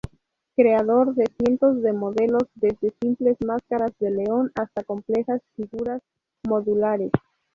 Creador de cientos de modelos, desde simples máscaras de león hasta complejas figuras modulares.